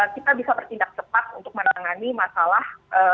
kita bisa bertindak cepat untuk menangani masalah